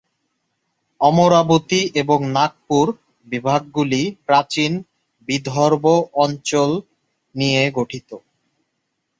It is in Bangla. অমরাবতী এবং নাগপুর বিভাগগুলি প্রাচীন বিদর্ভ অঞ্চল নিয়ে গঠিত।